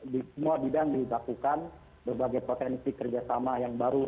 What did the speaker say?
di semua bidang dilakukan berbagai potensi kerjasama yang baru